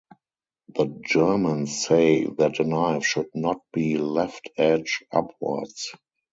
The Germans say that a knife should not be left edge upwards.